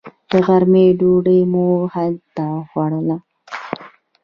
د غرمې ډوډۍ مو هلته وخوړله.